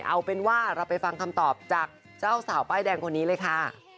เอาเป็นว่าเราไปฟังคำตอบจากเจ้าสาวป้ายแดงคนนี้เลยค่ะ